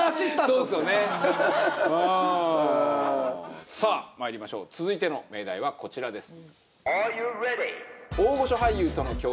うんさあまいりましょう続いての命題はこちらです